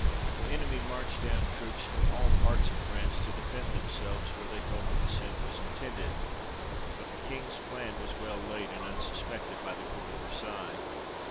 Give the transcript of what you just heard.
The enemy marched down troops from all parts of 1 May 6th, 1901. 26 THE REIGN OF GEORGE VI. France to defend themselves where they thought the descent was intended ; but the King's plan was well laid, and unsuspected by the Court of Versailles.